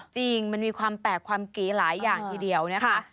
จริงมันมีความแปลกความเก๋หลายอย่างทีเดียวนะคะ